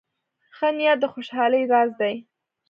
ښه نیت د خوشحالۍ راز دی.